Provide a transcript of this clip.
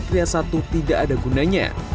menyebut satria satu tidak ada gunanya